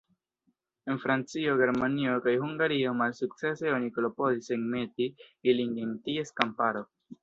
En Francio, Germanio, kaj Hungario malsukcese oni klopodis enmeti ilin en ties kamparo.